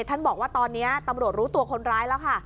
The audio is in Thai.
ท่านบอกว่าตอนนี้ตำรวจรู้ตัวคนร้ายแล้วค่ะ